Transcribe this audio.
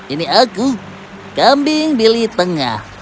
ini aku kambing bili tengah